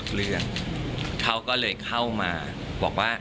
เขาก็เข้ามาบอกว่า